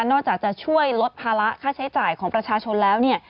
อกจากจะช่วยลดภาระค่าใช้จ่ายของประชาชนแล้วเนี่ย